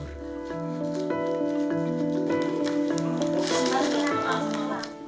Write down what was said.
ketika itu dia menemukan kekuasaan untuk membuat jembatan